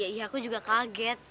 iya aku juga kaget